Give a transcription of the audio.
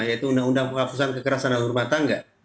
yaitu undang undang penghapusan kekerasan dalam rumah tangga